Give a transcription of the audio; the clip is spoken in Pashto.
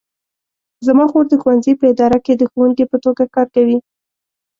زما خور د ښوونځي په اداره کې د ښوونکې په توګه کار کوي